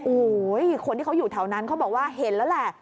โอ้โหคนที่เขาอยู่แถวนั้นเขาบอกว่าเห็นแล้วแหละ